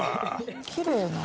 きれいな。